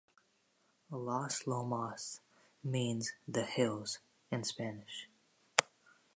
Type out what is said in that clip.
Las Lomas means "the hills" in Spanish.